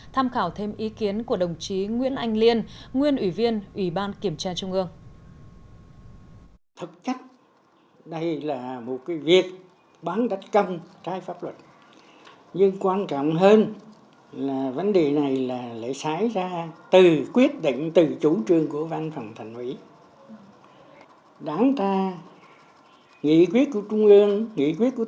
tham khảo thêm ý kiến của đồng chí nguyễn anh liên nguyên ủy viên ủy ban kiểm tra trung ương